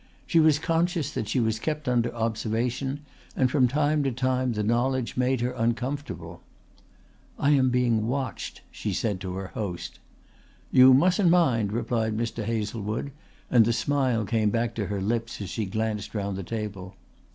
She was conscious that she was kept under observation and from time to time the knowledge made her uncomfortable. "I am being watched," she said to her host. "You mustn't mind," replied Mr. Hazlewood, and the smile came back to her lips as she glanced round the table.